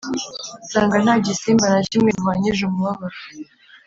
nsanga nta gisimba na kimwe duhwanyije umubabaro,